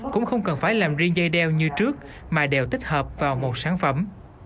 cũng không cần phải làm riêng dây đeo như trước mà đều tích hợp vào một sản phẩm